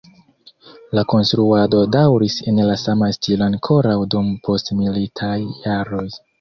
La konstruado daŭris en la sama stilo ankoraŭ dum postmilitaj jaroj.